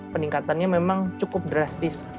peningkatannya memang cukup drastis